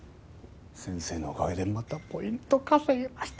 先生のおかげでまたポイント稼げました。